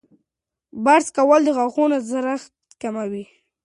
برس کول د غاښونو زړښت کموي.